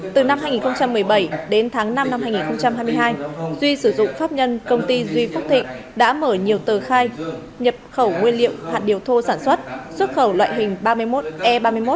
từ năm hai nghìn một mươi bảy đến tháng năm năm hai nghìn hai mươi hai duy sử dụng pháp nhân công ty duy phúc thịnh đã mở nhiều tờ khai nhập khẩu nguyên liệu hạt điều thô sản xuất xuất khẩu loại hình ba mươi một e ba mươi một